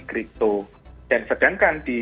crypto dan sedangkan di